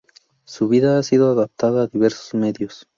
Su vida ha sido adaptada a diversos medios.